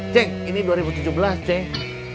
ceng ini dua ribu tujuh belas ceng